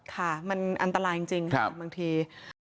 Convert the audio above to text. ค่ะมันอันตรายจริงค่ะบางที